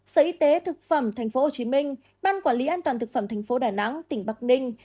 sở y tế thực phẩm tp hcm ban quản lý an toàn thực phẩm thành phố đà nẵng tỉnh bắc ninh